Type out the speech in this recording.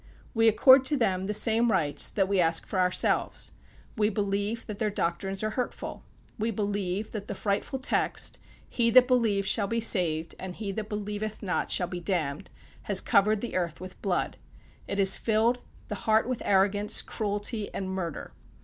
We accord to them the same rights that we ask for ourselves. We believe that their doctrines are hurtful. We believe that the frightful text, "He that believes shall be saved, and he that believeth not shall be damned," has covered the earth with blood. It has filled the heart with arrogance, cruelty and murder.